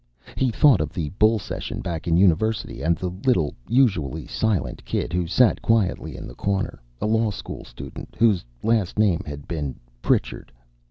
He thought of the bull session back in university and the little, usually silent kid who sat quietly in the corner, a law school student whose last name had been Pritchard.